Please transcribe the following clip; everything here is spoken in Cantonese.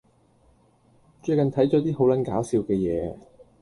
最近睇咗啲好撚搞笑嘅嘢